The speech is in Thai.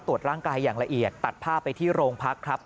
ตรวจร่างกายอย่างละเอียดตัดภาพไปที่โรงพักครับ